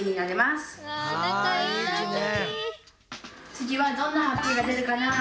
つぎはどんなハッピーがでるかな？